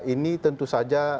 ini tentu saja